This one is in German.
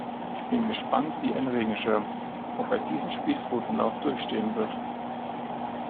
Ich bin gespannt wie ein Regenschirm, ob er diesen Spießrutenlauf durchstehen wird.